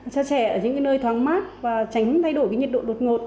cho trẻ ở những nơi thoáng mát và tránh thay đổi nhiệt độ đột ngột